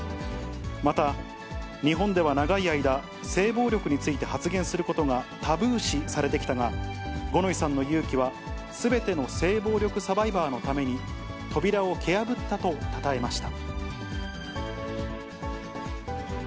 また、日本では長い間、性暴力について発言することがタブー視されてきたが、五ノ井さんの勇気は、すべての性暴力サバイバーのために、扉を蹴破ったとたたえました。